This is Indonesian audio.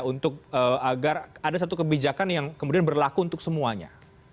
untuk agar ada satu kebijakan yang kemudian berlaku untuk semuanya